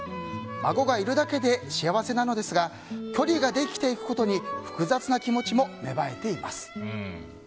孫がいるだけで幸せなのですが距離ができていくことに複雑な気持ちも芽生えています。